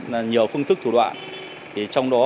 nhiều phương thức thủ đoạn trong đó